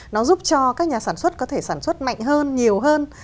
nó giúp cho các nhà sản xuất có thể sản xuất mạnh hơn nhiều hơn